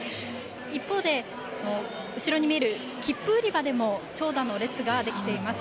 一方で後ろに見えるきっぷ売り場でも、長蛇の列が出来ています。